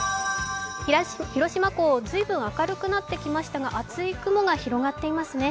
広島港、ずいぶん明るくなってきましたが厚い雲が広がっていますね。